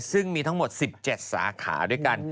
ซึ่งมีทั้งหมด๑๗สาขาด้วยกัน